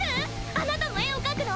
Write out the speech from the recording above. あなたも絵を描くの？